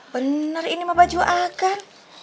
bener ini mah baju akan